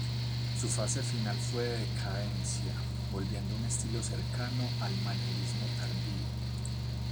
Su fase final fue de decadencia, volviendo a un estilo cercano al manierismo tardío.